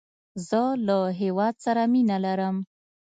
زه له هیواد سره مینه لرم